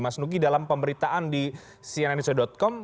mas nugi dalam pemberitaan di cnnindonesia com